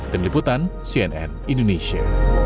dan liputan cnn indonesia